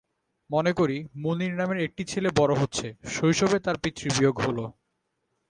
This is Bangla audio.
মনে করি, মুনির নামের একটি ছেলে বড় হচ্ছে শৈশবে তার পিতৃবিয়োগ হল।